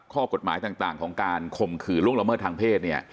ข้อกฏหมายต่างของการห่มขื่อล่วนละเมิดทางเพศ